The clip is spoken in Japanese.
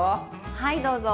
はいどうぞ！